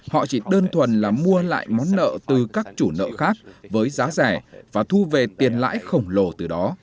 họ chỉ đơn thuần là mua lại món nợ từ các chủ nợ khác với giá rẻ và thu về tiền lãi khổng lồ từ đó